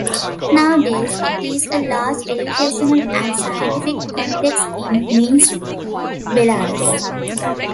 Nowadays it is a large educational and scientific complex in Minsk, Belarus.